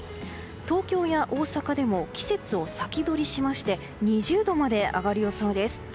東京や大阪でも季節を先取りしまして２０度まで上がる予想です。